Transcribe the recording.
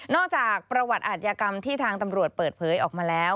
จากประวัติอาทยากรรมที่ทางตำรวจเปิดเผยออกมาแล้ว